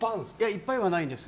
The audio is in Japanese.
いっぱいは、ないんです。